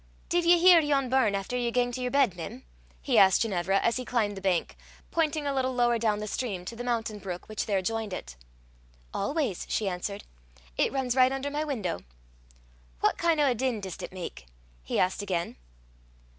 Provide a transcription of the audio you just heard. "Div ye hear yon burn efter ye gang to yer bed, mem?" he asked Ginevra, as he climbed the bank, pointing a little lower down the stream to the mountain brook which there joined it. "Always," she answered. "It runs right under my window." "What kin' o' a din dis 't mak?" he asked again.